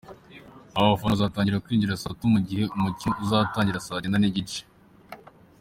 Abafana bazatangira kwinjira saa tanu mu gihe umukino uzatangira saa cyenda n’igice.